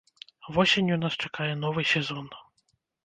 Восенню нас чакае новы сезон.